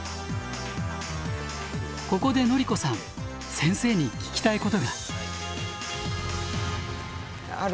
ここでのりこさん先生に聞きたいことが。